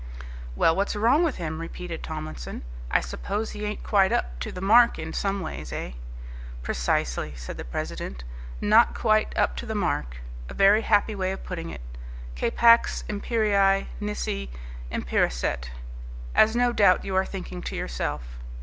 "Well, what's wrong with him?" repeated Tomlinson, "I suppose he ain't quite up to the mark in some ways, eh?" "Precisely," said the president, "not quite up to the mark a very happy way of putting it. Capax imperii nisi imperasset, as no doubt you are thinking to yourself.